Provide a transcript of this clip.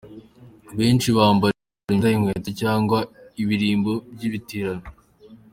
Benshi bambara imyenda, inkweto cyangwa ibirimbo by’ibitirano.